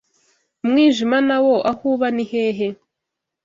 Umwijima na wo aho uba ni hehe? ..